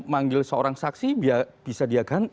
manggil seorang saksi bisa dia kan